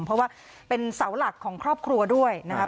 เพราะว่าเป็นเสาหลักของครอบครัวด้วยนะครับ